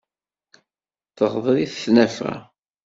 Teɣder-it tnafa.